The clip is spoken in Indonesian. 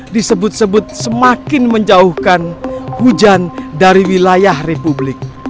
disebut sebut semakin menjauhkan hujan dari wilayah republik